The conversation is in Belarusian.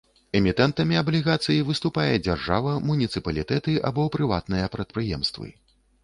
Эмітэнтамі аблігацый выступае дзяржава, муніцыпалітэты або прыватныя прадпрыемствы.